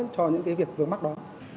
cho những việc vừa mắt đó